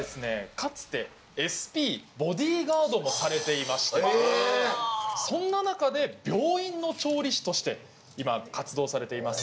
かつてＳＰボディーガードもされていましてへえーそんな中で病院の調理師として今活動されています